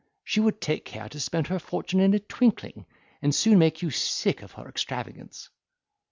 She would take care to spend her fortune in a twinkling, and soon make you sick of her extravagance."